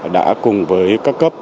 đã cùng với các cấp